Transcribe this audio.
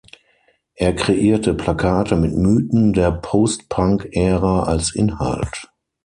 Er kreierte Plakate mit Mythen der Post-Punk-Ära als Inhalt.